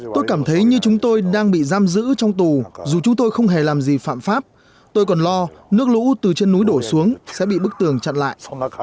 tôi cảm thấy như chúng tôi đang bị giam giữ trong tù dù chúng tôi không hề làm gì phạm pháp tôi còn lo nước lũ từ trên núi đổ xuống sẽ bị bức tường chặn lại